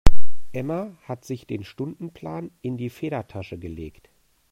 Emma hat sich den Stundenplan in die Federtasche gelegt.